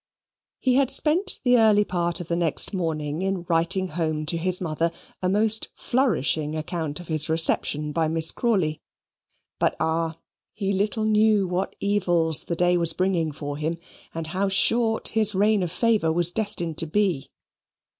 He had spent the early part of the next morning in writing home to his mother a most flourishing account of his reception by Miss Crawley. But ah! he little knew what evils the day was bringing for him, and how short his reign of favour was destined to be.